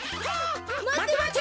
まてまて！